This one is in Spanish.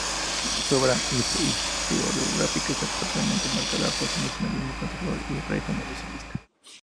Su obra historiográfica está fuertemente marcada por su nacionalismo conservador y regeneracionista.